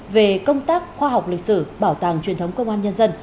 về công tác khoa học lịch sử bảo tàng truyền thống công an nhân dân